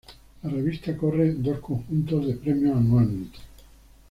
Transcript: La revista corre dos conjuntos de premios anualmente.